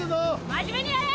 真面目にやれ！